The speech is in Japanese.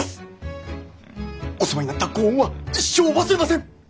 お世話になったご恩は一生忘れません！